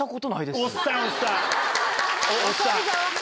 おっさん！